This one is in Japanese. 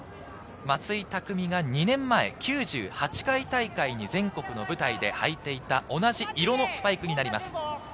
これは兄の松井匠が２年前、９８回大会に全国の舞台で履いていた同じ色のスパイクになります。